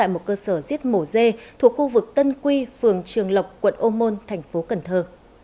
tại một cơ sở giết mổ dê thuộc khu vực tân quy phường trường lộc quận ô môn thành phố cần thơ